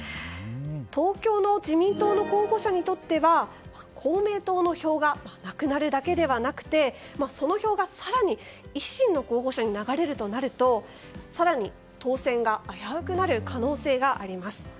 東京の自民党の候補者にとっては公明党の票がなくなるだけではなくてその票が、更に維新の候補者に流れるとなると更に当選が危うくなる可能性があります。